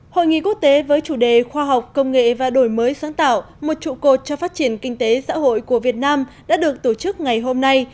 hội nghị quốc tế với chủ đề khoa học công nghệ và đổi mới sáng tạo một trụ cột cho phát triển kinh tế xã hội của việt nam đã được tổ chức ngày hôm nay